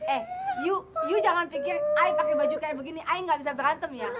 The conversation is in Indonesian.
eh yu yu jangan pikir ayah pakai baju kayak begini ayah nggak bisa berantem ya